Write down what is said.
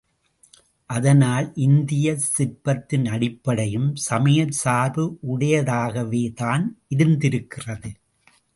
அதனால் இந்தியச் சிற்பத்தின் அடிப்படையும் சமயச் சார்பு உடையதாகவேதான் இருந்திருக்கிறது.